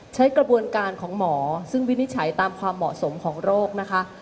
ใช้กระบวนการของหมอซึ่งวินิจฉัยตามความเหมาะสมของโรคนะคะ